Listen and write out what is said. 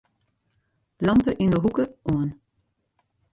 Lampe yn 'e hoeke oan.